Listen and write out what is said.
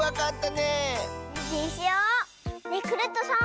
ねえクルットさん